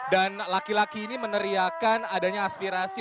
dan laki laki ini meneriakan adanya aspirasi